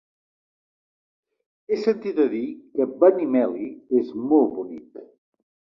He sentit a dir que Benimeli és molt bonic.